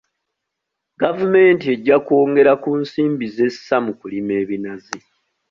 Gavumenti ejja kwongera ku nsimbi z'essa mu kulima ebinazi.